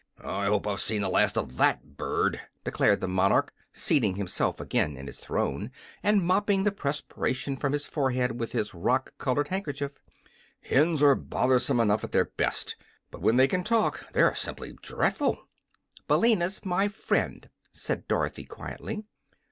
"I hope I've seen the last of THAT bird," declared the monarch, seating himself again in his throne and mopping the perspiration from his forehead with his rock colored handkerchief. "Hens are bothersome enough at their best, but when they can talk they're simply dreadful." "Billina's my friend," said Dorothy quietly.